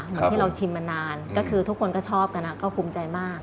เหมือนที่เราชิมมานานก็คือทุกคนก็ชอบกันก็ภูมิใจมาก